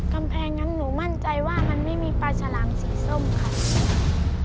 กำแพงนั้นหนูมั่นใจว่ามันไม่มีปลาฉลางสีส้มค่ะ